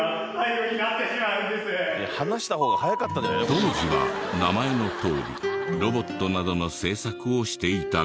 当時は名前のとおりロボットなどの製作をしていたが。